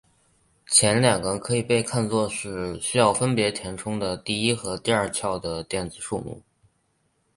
前两个可以被看作是需要分别填充的第一和第二壳的电子数目。